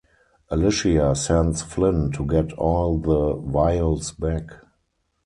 Alicia sends Flynn to get all the vials back.